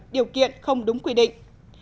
điều kiện không đúng quy định